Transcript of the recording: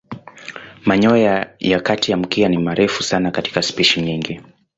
Manyoya ya kati ya mkia ni marefu sana katika spishi nyingine.